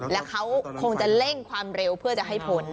แล้วเขาคงจะเร่งความเร็วเพื่อจะให้ผล